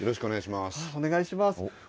お願いします。